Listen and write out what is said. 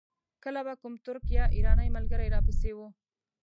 کله به کوم ترک یا ایراني ملګری را پسې و.